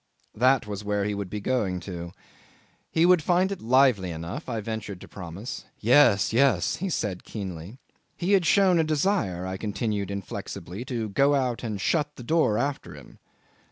That was where he would be going to. He would find it lively enough, I ventured to promise. "Yes, yes," he said, keenly. He had shown a desire, I continued inflexibly, to go out and shut the door after him.